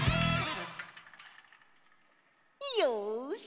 よし！